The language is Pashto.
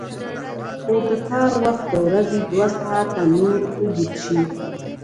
خو د کار وخت د ورځې دوه ساعته نور اوږد شي